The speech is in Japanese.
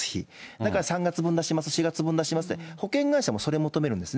だから３月分出します、４月分出しますって、保険会社もそれ求めるんですね。